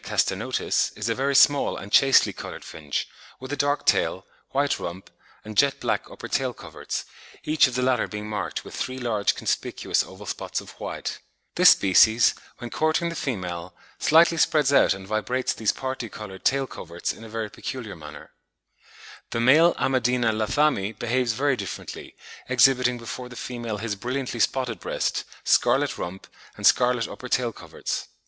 castanotis is a very small and chastely coloured finch, with a dark tail, white rump, and jet black upper tail coverts, each of the latter being marked with three large conspicuous oval spots of white. (91. For the description of these birds, see Gould's 'Handbook to the Birds of Australia,' vol. i. 1865, p. 417.) This species, when courting the female, slightly spreads out and vibrates these parti coloured tail coverts in a very peculiar manner. The male Amadina Lathami behaves very differently, exhibiting before the female his brilliantly spotted breast, scarlet rump, and scarlet upper tail coverts.